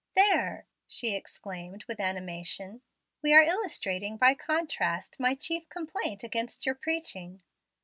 "There!" she exclaimed with animation, "we are illustrating by contrast my chief complaint against your preaching.